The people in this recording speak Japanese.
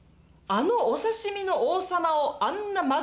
あのお刺身の王様をあんな